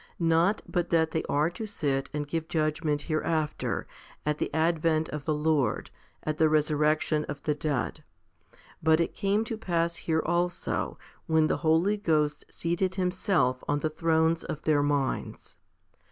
Not but that they are to sit and give judgment hereafter, at the advent of the Lord, at the resurrection of the dead. But it came to pass here also, when the Holy Ghost seated Himself on the thrones of their minds.